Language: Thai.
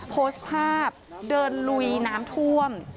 โพสต์ภาพเดินลุยน้ำท่วม